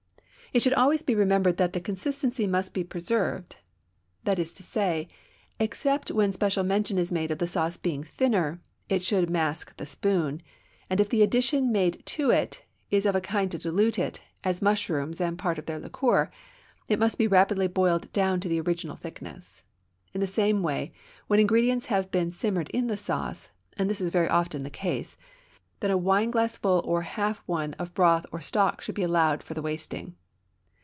It should always be remembered that the consistency must be preserved; that is to say, except when special mention is made of the sauce being thinner, it should "mask the spoon," and if the addition made to it is of a kind to dilute it, as mushrooms and part of their liquor, it must be rapidly boiled down to the original thickness. In the same way, when ingredients have to be simmered in the sauce and this is very often the case then a wineglassful or half one of broth or stock should be allowed for the wasting.